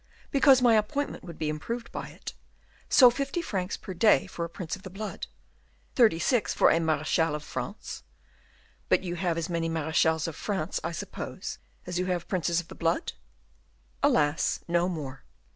"Because my appointment would be improved by it. So fifty francs per day for a prince of the blood, thirty six for a marechal of France " "But you have as many marechals of France, I suppose, as you have princes of the blood?" "Alas! no more.